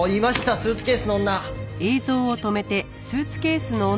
スーツケースの女！